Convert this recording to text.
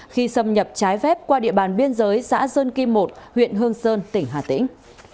khi xâm nhập trái phép qua địa bàn biên giới xã sơn kim một huyện hương sơn tỉnh hà tĩnh